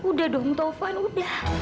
udah dong taufan udah